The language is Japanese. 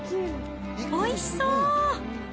おいしそう！